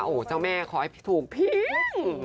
โอ้เจ้าแม่ขอให้ถูกพิ้ง